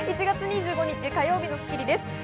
１月２５日火曜日の『スッキリ』です。